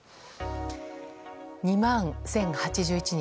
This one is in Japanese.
２万１０８１人。